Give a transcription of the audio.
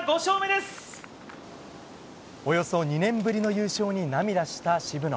およそ２年ぶりの優勝に涙した渋野。